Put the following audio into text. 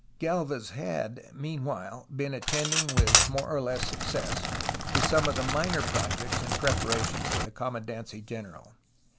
Gdlvez had meanwhile been attending, with more or less success, to some of the minor projects in'^preparation for the commandancy general.